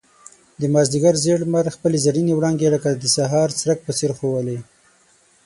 د مازيګر زېړ لمر خپل زرينې وړانګې لکه د سهار څرک په څېر ښوولې.